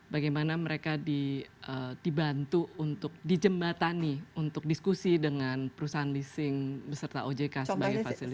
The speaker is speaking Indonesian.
bagaimana mereka dibantu untuk dijembatani untuk diskusi dengan perusahaan leasing beserta ojk sebagai fasilitas